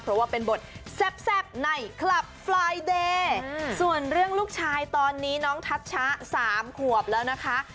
เพราะว่าเป็นบทแซ่บในคลับไฟล์เดย์ส่วนเรื่องลูกชายตอนนี้น้องทัชชะ๓ขวบแล้วนะคะ